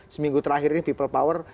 seminggu terakhir ini people power